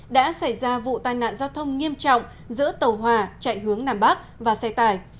đã xảy ra vụ tai nạn giao thông nghiêm trọng giữa tàu hòa chạy hướng nam bắc và xe tải